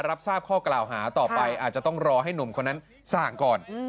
รับทราบข้อกล่าวหาต่อไปอาจจะต้องรอให้หนุ่มคนนั้นสั่งก่อน